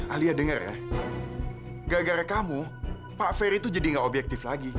alia denger ya gak gara gara kamu pak ferry tuh jadi gak objektif lagi